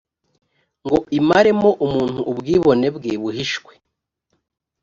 ngo imaremo umuntu ubwibone bwe buhishwe